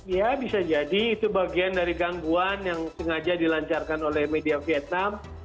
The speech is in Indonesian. ya bisa jadi itu bagian dari gangguan yang sengaja dilancarkan oleh media vietnam